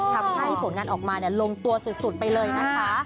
ผลงานออกมาลงตัวสุดไปเลยนะคะ